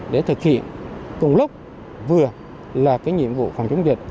để thực hiện cùng lúc vừa là cái nhiệm vụ phòng chống dịch